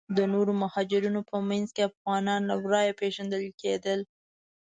د نورو مهاجرینو په منځ کې افغانان له ورایه پیژندل کیدل.